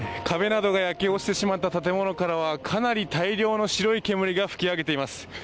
壁などが焼け落ちてしまった建物からはかなり大量の白い煙が噴き上げています。